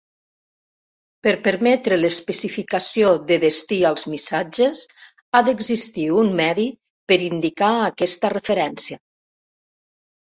Per permetre l'especificació de destí als missatges, ha d'existir un medi per indicar aquesta referència.